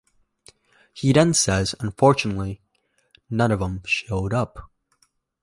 He then says, Unfortunately, none of them showed up.